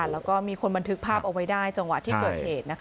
แล้วก็มีคนบันทึกภาพเอาไว้ได้จังหวะที่เกิดเหตุ